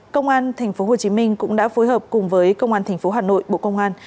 công an tp hcm cũng đã phối hợp cùng với công an tp hcm bộ công an